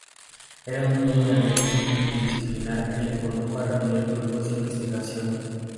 Era un modo de análisis multidisciplinar, que le condujo a reunir grupos de investigación.